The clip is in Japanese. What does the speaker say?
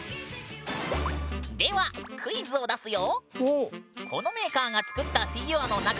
ではクイズを出すよ！